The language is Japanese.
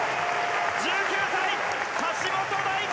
１９歳、橋本大輝！